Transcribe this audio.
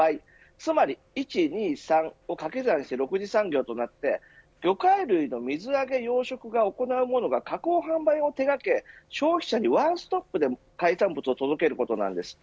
つまり１、２、３を掛け算して６次産業化になって魚介類の水揚げ、養殖を行うものが加工販売を手掛け消費者にワンストップで海産物を届けることなんです。